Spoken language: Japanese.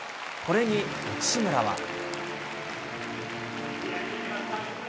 これに内村は。